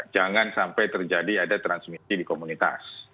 jangan sampai terjadi ada transmisi di komunitas